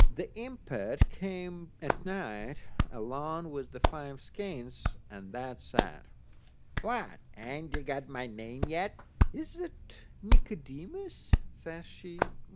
The impet came at night along with the five skeins, and that said: "What, ain't you got my name yet?" "Is that Nicodemus?" says she.